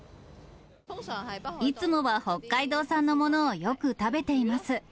いつもは北海道産のものをよく食べています。